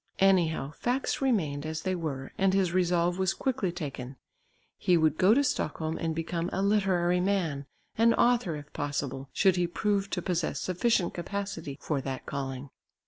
Anyhow facts remained as they were and his resolve was quickly taken. He would go to Stockholm and become a literary man, an author if possible, should he prove to possess sufficient capacity for that calling.